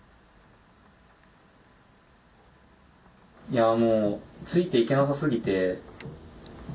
いやもうついていけなさ過ぎて。